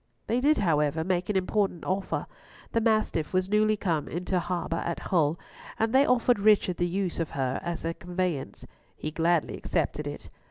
They did, however, make an important offer. The Mastiff was newly come into harbour at Hull, and they offered Richard the use of her as a conveyance. He gladly accepted it.